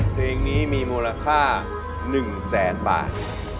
เพลงนี้มีมูลค่า๑๐๐๐๐๐บาท